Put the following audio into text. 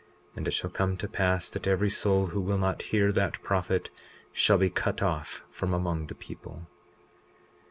And it shall come to pass that every soul who will not hear that prophet shall be cut off from among the people.